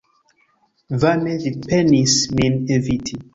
Vane vi penis min eviti!